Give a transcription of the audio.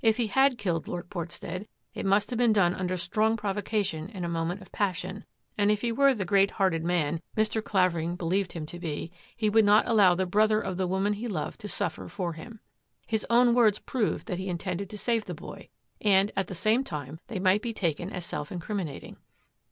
If he had killed Lord Portstead, it must have been done under strong provocation in a moment of passion ; and if he were the great hearted man Mr. Clavering CLAVERING MUDDIES HIS BOOTS 141 believed him to be, he would not allow the brother of the woman he loved to suffer for him. His own words proved that he intended to save the boy, and, at the same time, they might be taken as self incriminating.